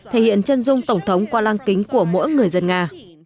thể hiện chân dung tổng thống qua lăng kính của mỗi người dân nga